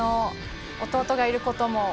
弟がいることも。